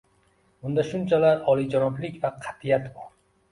Unda shunchalar oliyjanoblik va qat’iyat bor.